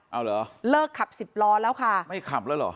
เอาเหรอเลิกขับสิบล้อแล้วค่ะไม่ขับแล้วเหรอ